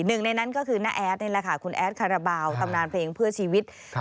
หนึ่งในนั้นก็คือน้าแอดนี่แหละค่ะคุณแอดคาราบาลตำนานเพลงเพื่อชีวิต